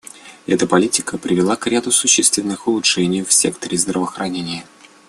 Эта политика привела к ряду существенных улучшений в секторе здравоохранения.